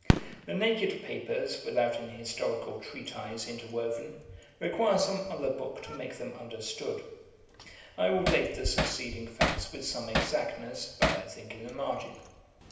The naked papers, without an historical treatise interwoven, require some other book to make them understood. I will date the succeeding facts with some exactness, but I think in the margin.